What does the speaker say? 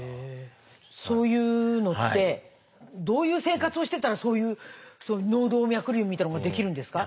そういうのってどういう生活をしてたらそういう脳動脈瘤みたいなのができるんですか？